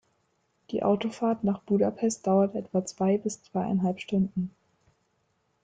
Die Autofahrt nach Budapest dauert etwa zwei bis zweieinhalb Stunden.